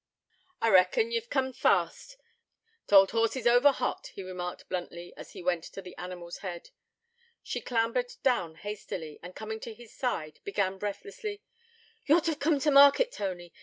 'I reckon ye've come fast. T' ould horse is over hot,' he remarked bluntly, as he went to the animal's head. She clambered down hastily, and, coming to his side, began breathlessly: 'Ye ought t' hev coom t' market, Tony.